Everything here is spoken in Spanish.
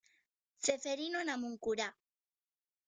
Ceferino Namuncurá